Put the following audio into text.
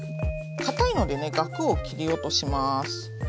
かたいのでねガクを切り落とします。